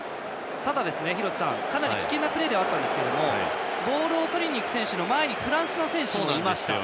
ただ廣瀬さん、かなり危険なプレーでしたがボールをとりにいく選手の前にフランスの選手もいました。